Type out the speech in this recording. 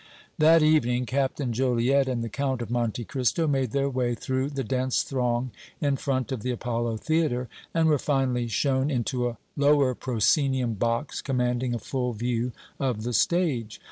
That evening Captain Joliette and the Count of Monte Cristo made their way through the dense throng in front of the Apollo Theatre, and were finally shown into a lower proscenium box commanding a full view of the stage.